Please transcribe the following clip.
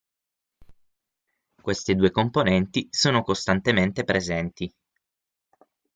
Queste due componenti sono costantemente presenti.